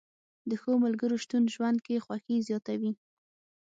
د ښو ملګرو شتون ژوند کې خوښي زیاتوي